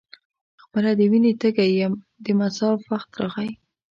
خپله د وینې تږی یم د مصاف وخت راغی.